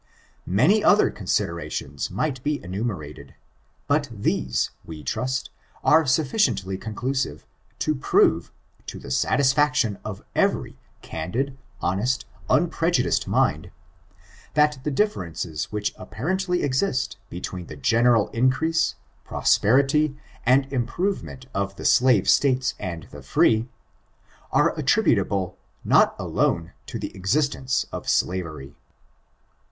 Many other considerar tions might be enumerated, but these, we trust, ar« sufficiently conclusive, to prove, to the satis&ction of every candid, honest, unprejudiced mind, that the differences which apparently exist between the general increase, prosperity, and improvement of the slave States and the free, are attributable not alone to the existence of slavery.